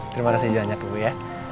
terima kasih juga banyak bu ya